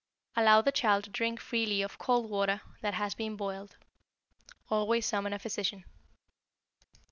Allow the child to drink freely of cold water that has been boiled. Always summon a physician.